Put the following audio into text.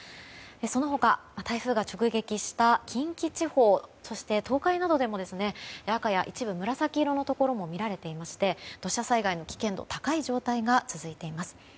その他、台風が直撃した近畿地方そして、東海などでも赤や一部紫色のところも見られていまして土砂災害の危険度が高い状態が続いています。